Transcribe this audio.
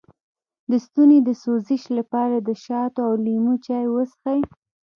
د ستوني د سوزش لپاره د شاتو او لیمو چای وڅښئ